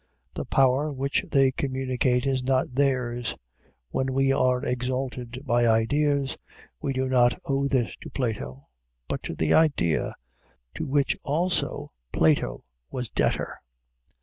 The power which they communicate is not theirs. When we are exalted by ideas, we do not owe this to Plato, but to the idea, to which, also, Plato was debtor.